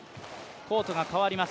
コートがかわります。